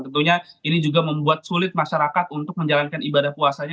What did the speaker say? tentunya ini juga membuat sulit masyarakat untuk menjalankan ibadah puasanya